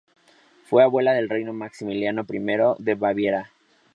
Fue abuela del rey Maximiliano I de Baviera.